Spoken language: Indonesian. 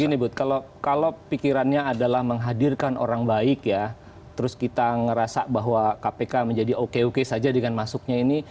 gini bud kalau pikirannya adalah menghadirkan orang baik ya terus kita ngerasa bahwa kpk menjadi oke oke saja dengan masuknya ini